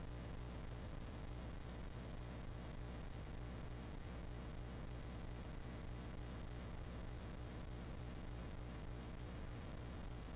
pembaca fakta integritas mengambil tempat